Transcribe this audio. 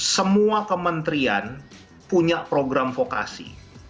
semua kementerian punya program vokasi